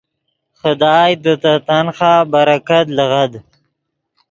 خدائے دے تے تنخواہ برکت لیغد۔